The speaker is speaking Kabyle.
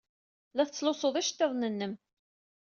La tettlusuḍ iceḍḍiḍen-nnem.